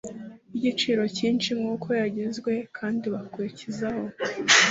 Y igiciro cyinshi nk uko yagezwe kandi bakurikizaho